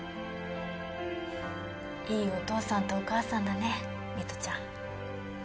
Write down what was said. いいお父さんとお母さんだね美都ちゃん。